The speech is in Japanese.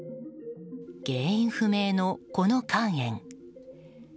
原因不明のこの肝炎。